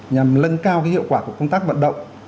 nhằm lân cao hiệu quả của công tác vận động